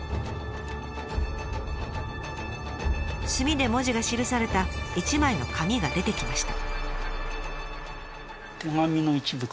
墨で文字が記された一枚の紙が出てきました。